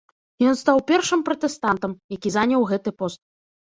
Ён стаў першы пратэстантам, які заняў гэты пост.